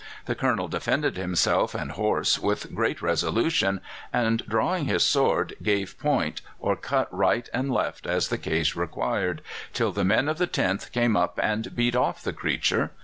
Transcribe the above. The Colonel defended himself and horse with great resolution, and, drawing his sword, gave point or cut right and left as the case required, till the men of the 10th came up and beat off the creature.